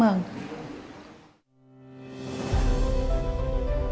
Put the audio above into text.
trong suốt hai năm